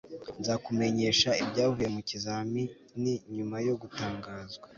nzakumenyesha ibyavuye mu kizamini nyuma yo gutangazwa